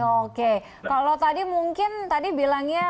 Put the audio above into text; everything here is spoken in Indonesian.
oke kalau tadi mungkin tadi bilangnya